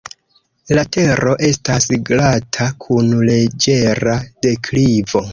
La tero estas glata kun leĝera deklivo.